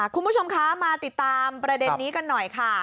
คุณผู้ชมคะมาติดตามประเด็นนี้กันหน่อยค่ะ